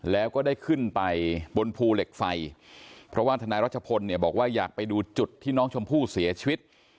แล้วก็ได้ขึ้นไปบนภูเหล็กไฟเพราะว่าทนายรัชพลเนี่ยบอกว่าอยากไปดูจุดที่น้องชมพู่เสียชีวิต